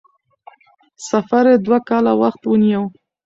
سفر یې دوه کاله وخت ونیو.